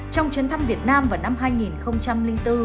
trong chuyến thăm việt nam vào năm hai nghìn bốn